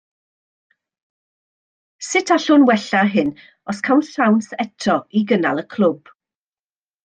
Sut allwn wella hyn os cawn siawns eto i gynnal y clwb?